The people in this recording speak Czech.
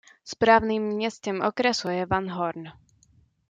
Správním městem okresu je Van Horn.